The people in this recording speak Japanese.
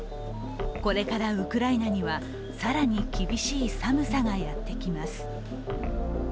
これからウクライナには更に厳しい寒さがやってきます。